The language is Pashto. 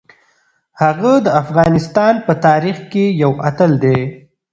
هغه د افغانستان په تاریخ کې یو اتل دی.